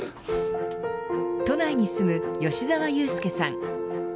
都内に住む吉沢祐輔さん。